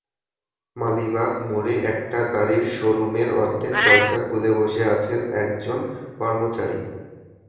মালিবাগ মোড়ে একটি গাড়ির শো-রুমের অর্ধেক দরজা খুলে বসে আছেন একজন কর্মচারী।